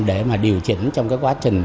để mà điều chỉnh trong cái quá trình